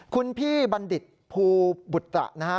คุณพี่บัณฑิตภูบุตตระนะฮะ